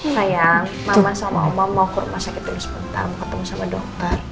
sayang mama sama om mau ke rumah sakit dulu sebentar ketemu sama dokter